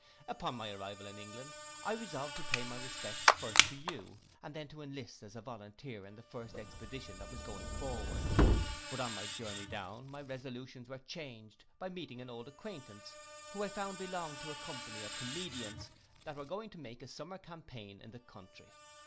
'Upon my arrival in England, I resolved to pay my respects first to you, and then to enlist as a volunteer in the first expedition that was going forward; but on my journey down my resolutions were changed, by meeting an old acquaintance, who I found belonged to a company of comedians, that were going to make a summer campaign in the country.